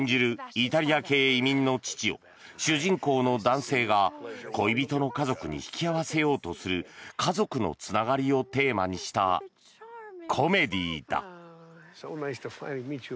イタリア系移民の父を主人公の男性が、恋人の家族に引き合わせようとする「家族のつながり」をテーマにしたコメディーだ。